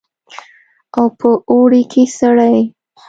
او په اوړي کښې سړې.